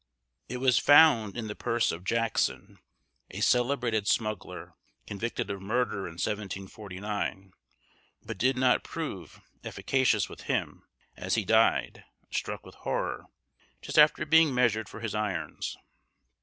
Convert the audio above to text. It was found in the purse of Jackson, a celebrated smuggler, convicted of murder, in 1749, but did not prove efficacious with him, as he died, struck with horror, just after being measured for his irons.